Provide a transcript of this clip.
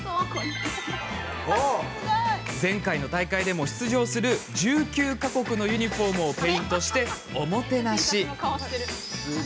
前回の大会でも出場する１９か国のユニフォームをペイントしておもてなし。